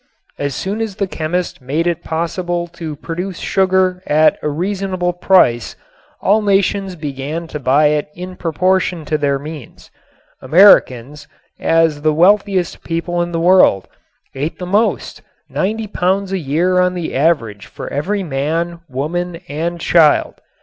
As soon as the chemist made it possible to produce sugar at a reasonable price all nations began to buy it in proportion to their means. Americans, as the wealthiest people in the world, ate the most, ninety pounds a year on the average for every man, woman and child.